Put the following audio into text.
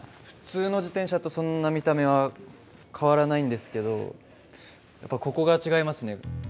普通の自転車とそんな見た目は変わらないんですけどやっぱここが違いますね。